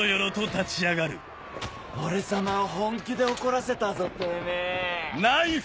俺様を本気で怒らせたぞてめぇ。